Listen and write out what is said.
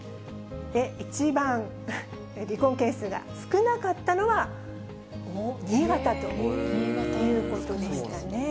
一番離婚件数が少なかったのは新潟ということでしたね。